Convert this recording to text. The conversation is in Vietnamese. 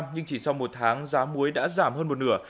nhưng chỉ sau một tháng giá muối đã giảm hơn một nửa